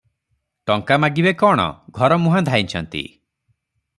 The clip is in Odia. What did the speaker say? ଟଙ୍କା ମାଗିବେ କଣ, ଘରମୁହାଁ ଧାଇଁଛନ୍ତି ।